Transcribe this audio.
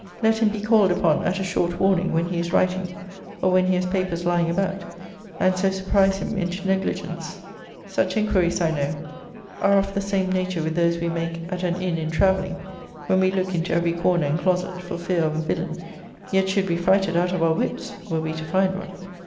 Let him be called upon at a short warning when he is writing, or when he has papers lying about, and so surprise him into negligence. Such inquiries, I know, are of the same nature with those we make at an inn in traveling, when we look into every corner and closet, for fear of a villain; yet should be frighted out of our wits, were we to find one.